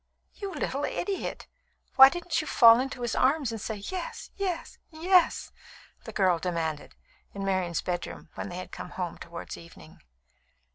"You little idiot! Why didn't you fall into his arms and say 'Yes yes yes'?" the girl demanded, in Marian's bedroom, when they had come home towards evening.